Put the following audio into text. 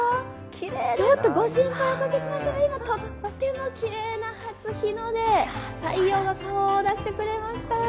ちょっとご心配おかけしましたが、とってもきれいな初日の出、太陽が顔を出してくれました。